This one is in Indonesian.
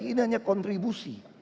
ini hanya kontribusi